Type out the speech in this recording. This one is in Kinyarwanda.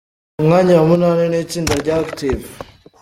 Ku mwanya wa munani n’itsinda rya Active.